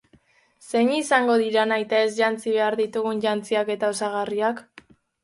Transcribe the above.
Zein izango dira nahitaez jantzi beharko ditugun jantziak eta osagarriak?